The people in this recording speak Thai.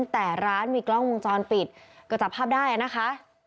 แต่ร้านมีกล้องวงจรปิดก็จับภาพได้นะคะ